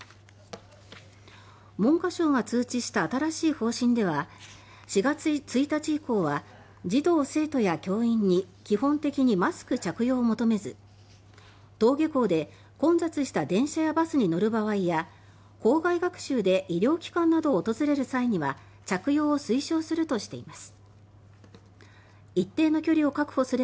文科省が通知した新しい方針では４月１日以降は児童・生徒や教員に基本的にマスク着用を求めず登下校で混雑した電車やバスに乗る場合や校外学習で医療機関などを訪れる際には着用を推奨するとしています。